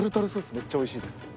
めっちゃおいしいです。